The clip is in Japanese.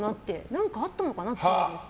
何かあったのかなって思います。